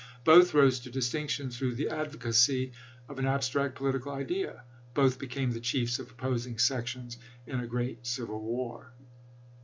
Both rose to distinction through the advocacy of an ab stract political idea. Both became the chiefs of opposing sections in a great civil war.